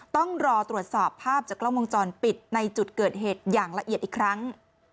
ต้องรอตรวจสอบภาพจากกล้องวงจรปิดในจุดเกิดเหตุอย่างละเอียดอีกครั้ง